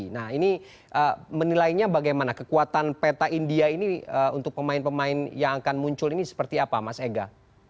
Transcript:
nah ini menilainya bagaimana kekuatan peta india ini untuk pemain pemain yang akan muncul ini seperti apa mas ega